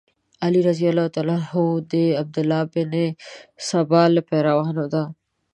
علي رض د عبدالله بن سبا له پیروانو سره.